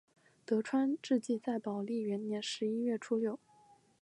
德川治济在宝历元年十一月初六。